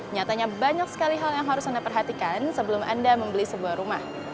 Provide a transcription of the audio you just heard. nyatanya banyak sekali hal yang harus anda perhatikan sebelum anda membeli sebuah rumah